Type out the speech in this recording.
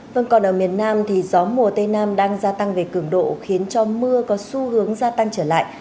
vâng còn ở miền nam thì gió mùa tây nam đang gia tăng về cường độ khiến cho mưa có xu hướng gia tăng trở lại